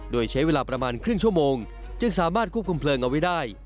โดยใช้เวลาประมาณครึ่งชั่วโมงจึงสามารถควบคุมเพลิงเอาไว้ได้